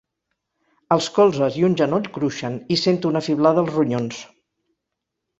Els colzes i un genoll cruixen i sento una fiblada als ronyons.